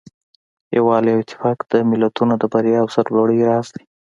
یووالی او اتفاق د ملتونو د بریا او سرلوړۍ راز دی.